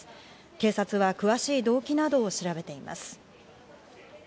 警察は詳しい動機などを調べています。